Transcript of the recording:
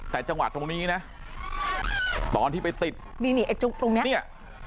แต่จังหวัดตรงนี้นะตอนที่ไปติดนี่นี่ไอ้จุ๊กตรงเนี้ยเนี่ย